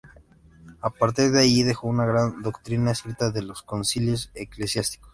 A partir de ahí, dejó un gran doctrina escrita de los concilios eclesiásticos.